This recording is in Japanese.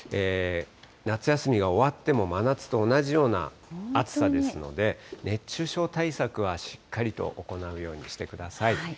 夏休みが終わっても、真夏と同じような暑さですので、熱中症対策はしっかりと行うようにしてください。